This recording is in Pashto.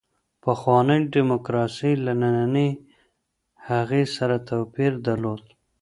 پخوانۍ دیموکراسي له نننۍ هغې سره توپیر درلود.